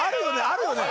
あるよね？